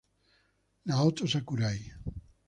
Naoto Sakurai